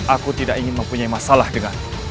aku tidak ingin mempunyai masalah dengan